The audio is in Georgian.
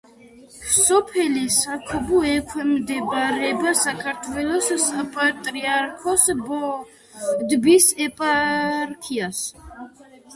სოფელი საქობო ექვემდებარება საქართველოს საპატრიარქოს ბოდბის ეპარქიას.